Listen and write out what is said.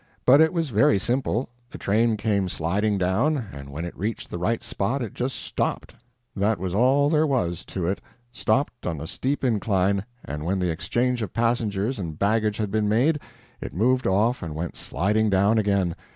But it was very simple; the train came sliding down, and when it reached the right spot it just stopped that was all there was "to it" stopped on the steep incline, and when the exchange of passengers and baggage had been made, it moved off and went sliding down again.